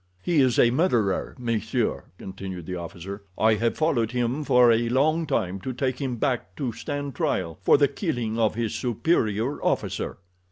"He is a murderer, Monsieur," continued the officer. "I have followed him for a long time to take him back to stand trial for the killing of his superior officer."